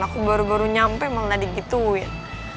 aku baru baru nyampe malah digituin